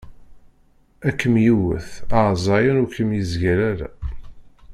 Ad kem-yewwet, ɛezṛayen ur kem-yezgal ara.